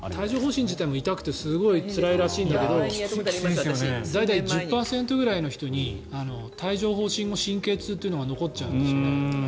帯状疱疹自体も痛くてすごくつらいらしいんだけど大体、１０％くらいの人に帯状疱疹後神経痛というのが残っちゃうんですね。